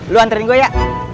lu anterin gua ya